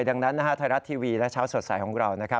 ดังนั้นไทยรัฐทีวีและเช้าสดใสของเรา